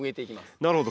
なるほど。